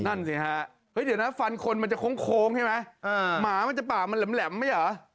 คุณยายก็ไม่ได้ตอบคำถามนี้